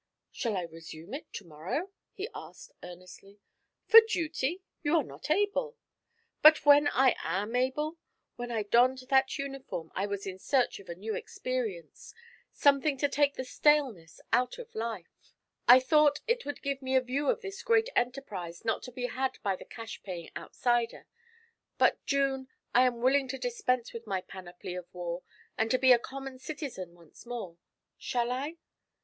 'Shall I resume it to morrow?' he asked earnestly. 'For duty? You are not able.' 'But when I am able? When I donned that uniform I was in search of a new experience; something to take the staleness out of life. I thought it would give me a view of this great enterprise not to be had by the cash paying outsider. But, June, I am willing to dispense with my panoply of war, and to be a common citizen once more; shall I?'